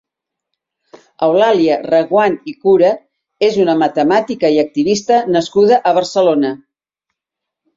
Eulàlia Reguant i Cura és una matemàtica i activista nascuda a Barcelona.